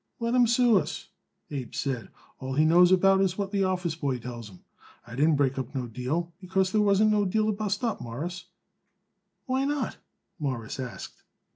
"Let him sue us," Abe said. "All he knows about is what the office boy tells him. I didn't break up no deal, because there wasn't no deal to bust up, Mawruss." "Why not?" Morris asked.